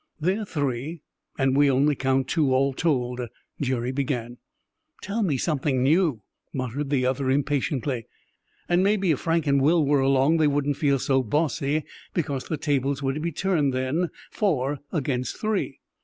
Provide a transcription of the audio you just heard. "They're three, and we only count two, all told," Jerry began. "Tell me something new!" muttered the other impatiently. "And maybe if Frank and Will were along they wouldn't feel so bossy, because the tables would be turned then, four against three."